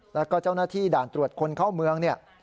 แล้วก็เจ้าหน้าที่ด่านตรวจคนเข้าเมืองเนี่ย